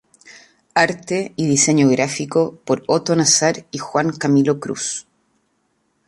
Arte y Diseño Gráfico por Otto Nassar y Juan Camilo Cruz.